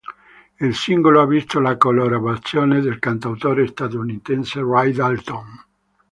Il singolo ha visto la collaborazione del cantautore statunitense Ray Dalton.